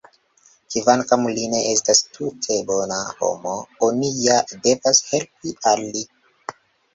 Kvankam li ne estas tute bona homo, oni ja devas helpi al li!